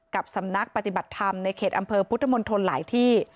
สำนักปฏิบัติธรรมในเขตอำเภอพุทธมนตรหลายที่